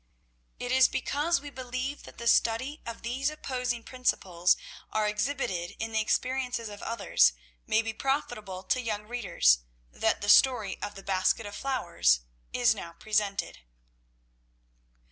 It is because we believe that the study of these opposing principles as exhibited in the experience of others may be profitable to young readers, that the story of the Basket of Flowers is now presented.